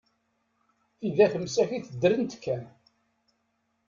Tidak msakit ddrent kan.